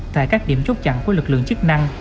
tại các điểm chốt chặn của lực lượng chức năng